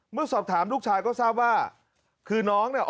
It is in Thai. เมื่อสอบถามลูกชายก็ทราบว่าคือน้องเนี่ย